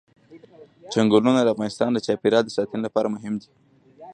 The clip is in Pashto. چنګلونه د افغانستان د چاپیریال ساتنې لپاره مهم دي.